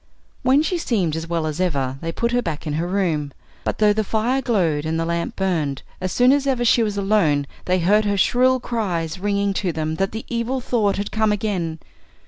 When she seemed as well as ever they put her back in her room. But though the fire glowed and the lamp burned, as soon as ever she was alone they heard her shrill cries ringing to them that the Evil Thought had come again.